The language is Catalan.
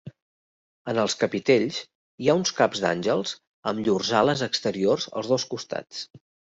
En els capitells hi ha uns caps d'àngels amb llurs ales exteriors als dos costats.